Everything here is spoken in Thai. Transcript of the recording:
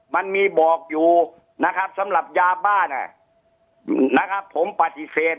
มันมีบอกอยู่นะครับสำหรับยาบ้านะครับผมปฏิเสธ